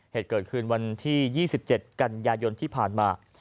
เหตุเกิดขึ้นวันที่๒๗กันยายนที่ผ่านมา